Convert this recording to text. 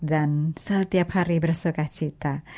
dan setiap hari bersukacita